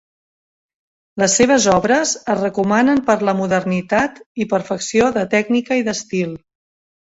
Les seves obres es recomanen per la modernitat i perfecció de tècnica i d'estil.